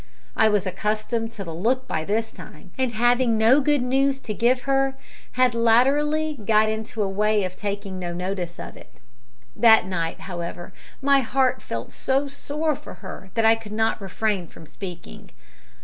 I was accustomed to the look by this time, and having no good news to give her, had latterly got into a way of taking no notice of it. That night, however, my heart felt so sore for her that I could not refrain from speaking.